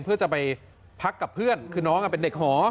เพื่อจะไปพักกับเพื่อนคือน้องเป็นเด็กหอ